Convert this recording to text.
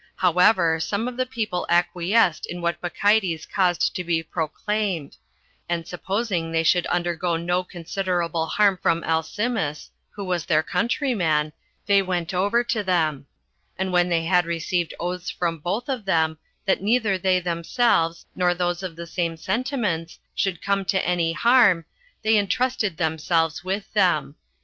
However, some of the people acquiesced in what Bacchides caused to be proclaimed; and supposing they should undergo no considerable harm from Alcimus, who was their countryman, they went over to them; and when they had received oaths from both of them, that neither they themselves, nor those of the same sentiments, should come to any harm, they intrusted themselves with them.